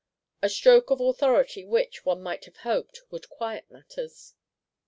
A stroke of authority which, one might have hoped, would quiet matters.